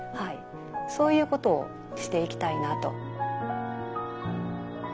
そういうことをしていきたいなと。